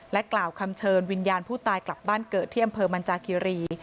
กล่าวคำเชิญวิญญาณผู้ตายกลับบ้านเกิดที่อำเภอมันจาคิรี